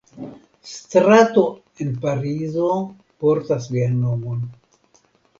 Strato en Parizo portas lian nomon.